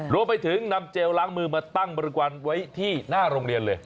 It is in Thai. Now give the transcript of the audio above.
รวมไปถึงนำเจลล้างมือมาตั้งบริกวัลไว้ที่หน้าโรงเรียนเลย